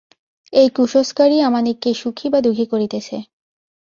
এই কুসংস্কারই আমাদিগকে সুখী বা দুঃখী করিতেছে।